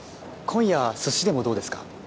今夜寿司でもどうですか？